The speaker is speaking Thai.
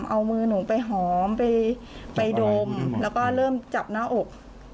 เอามือหนูไปหอมไปดมแล้วก็เริ่มจับหน้าอก